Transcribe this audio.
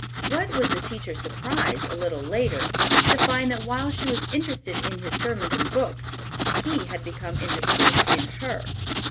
What was the teacher's surprise, a little later, to find that while she was interested in his sermons and books, he had become interested in her.